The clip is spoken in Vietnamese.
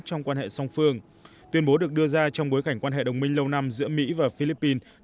trong quan hệ song phương tuyên bố được đưa ra trong bối cảnh quan hệ đồng minh lâu năm giữa mỹ và philippines